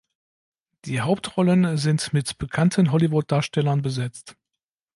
Die Hauptrollen sind mit bekannten Hollywood-Darstellern besetzt.